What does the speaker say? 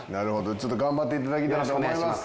ちょっと頑張って頂きたいと思います。